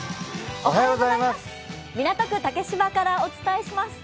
港区竹芝からお伝えします。